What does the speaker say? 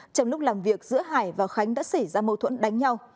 trong lúc làm việc giữa hải và khánh đã xảy ra mâu thuẫn đánh nhau